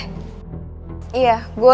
kenapa mereka jadi bareng terus deh